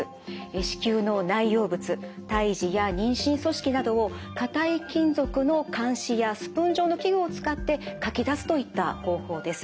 子宮の内容物胎児や妊娠組織などを硬い金属の鉗子やスプーン状の器具を使ってかき出すといった方法です。